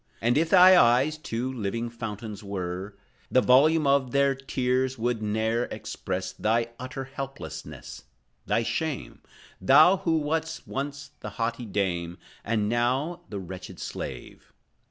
Oh, if thy eyes two living fountains were, The volume of their tears could ne'er express Thy utter helplessness, thy shame; Thou, who wast once the haughty dame, And, now, the wretched slave.